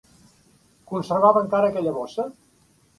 Conservava encara aquella bossa?